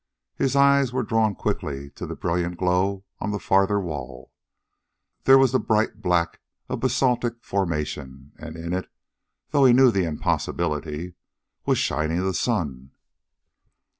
His eyes were drawn quickly to the brilliant glow of the farther wall. There was the bright black of basaltic formation, and in it though he knew the impossibility was shining the sun.